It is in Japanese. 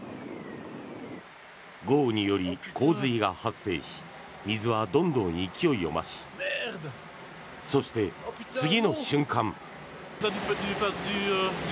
豪雨により洪水が発生し水はどんどん勢いを増しそして、次の瞬間。